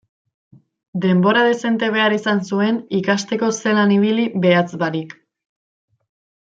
Denbora dezente behar izan zuen ikasteko zelan ibili behatz barik.